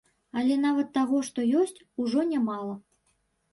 Але нават таго, што ёсць, ужо нямала.